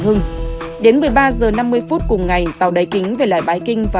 chú trẻ gdriving